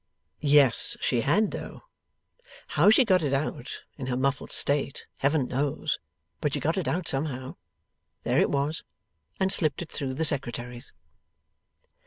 Yes she had though. How she got it out, in her muffled state, Heaven knows; but she got it out somehow there it was and slipped it through the Secretary's.